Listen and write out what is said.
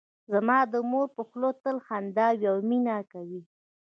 زما د مور په خوله تل خندا وي او مینه کوي